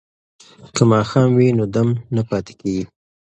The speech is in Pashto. که ماښام وي نو دم نه پاتې کیږي.